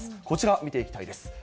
こちら見ていきたいです。